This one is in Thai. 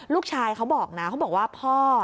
ลูกชายเขาบอกนะเขาบอกว่าพ่อ